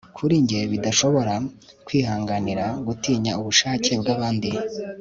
kuri njye bidashobora kwihanganira gutinya kubushake bwabandi